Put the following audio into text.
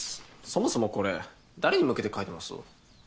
そもそもこれ誰に向けて描いてます？